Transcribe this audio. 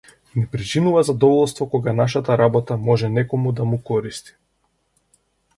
Ни причинува задоволство кога нашата работа може некому да му користи.